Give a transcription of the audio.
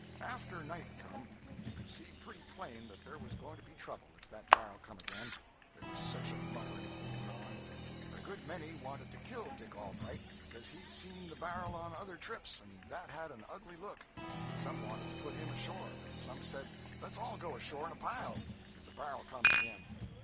'After night come, you could see pretty plain that there was going to be trouble if that bar'l come again; there was such a muttering going on. A good many wanted to kill Dick Allbright, because he'd seen the bar'l on other trips, and that had an ugly look. Some wanted to put him ashore. Some said, let's all go ashore in a pile, if the bar'l comes again.